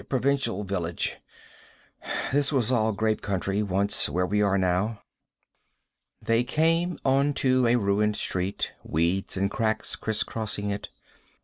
Provincial village. This was all grape country, once. Where we are now." They came onto a ruined street, weeds and cracks criss crossing it.